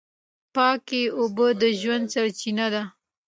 پاکې اوبه د ژوند سرچینه ده.